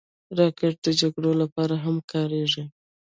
راکټ د جګړو لپاره هم کارېږي